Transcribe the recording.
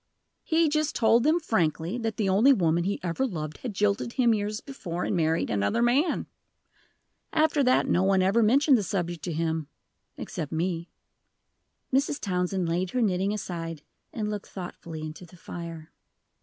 "He just told them frankly that the only woman he ever loved had jilted him years before, and married another man. After that no one ever mentioned the subject to him, except me." Mrs. Townsend laid her knitting aside, and looked thoughtfully into the fire.